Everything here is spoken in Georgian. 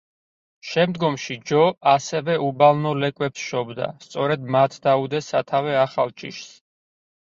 შემდგომში ჯო ასევე უბალნო ლეკვებს შობდა, სწორედ მათ დაუდეს სათავე ახალ ჯიშს.